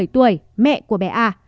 hai mươi bảy tuổi mẹ của bé a